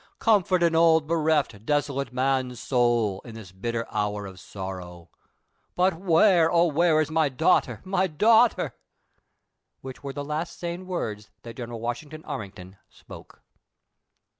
comfort an old bereft, desolate man's soul, in this bitter hour of sorrow ! But, where, O where is mv dancrhter. my dausrhter ?" which were the last sane words tiiat General Wasiiiugton Armington spoke.